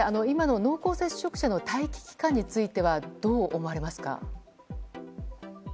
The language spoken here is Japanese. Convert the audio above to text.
今の濃厚接触者の待機期間についてはどう思われますか？